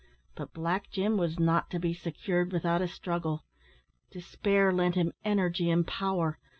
But Black Jim was not to be secured without a struggle. Despair lent him energy and power.